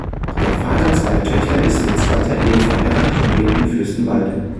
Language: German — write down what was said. Der Vater zweier Töchter ist in zweiter Ehe verheiratet und lebt in Fürstenwalde.